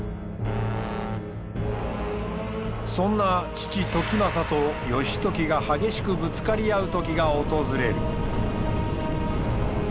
そんな父時政と義時が激しくぶつかり合う時が訪れる。